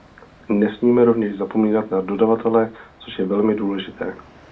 Nesmíme rovněž zapomínat na dodavatele, což je velmi důležité.